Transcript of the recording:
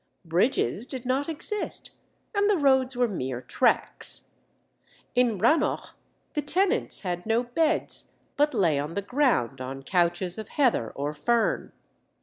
Bridges did not exist, and the roads were mere tracks. In Rannoch the tenants had no beds, but lay on the ground on couches of heather or fern.